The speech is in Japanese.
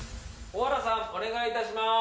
小原さん、お願い致します！